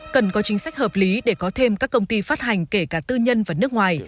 cần có chính sách hợp lý để có thêm các công ty phát hành kể cả tư nhân và nước ngoài